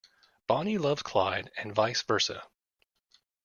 Bonnie loves Clyde and vice versa.